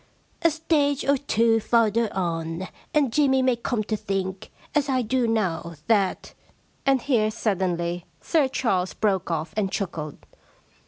* A stage or two farther on, and Jimmy may come to think, as I do now, that ' And here suddenly Sir Charles broke off and chuckled.